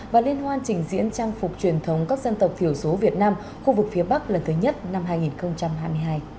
và liên hoan trình diễn trang phục truyền thống các dân tộc thiểu số việt nam khu vực phía bắc lần thứ nhất năm hai nghìn hai mươi hai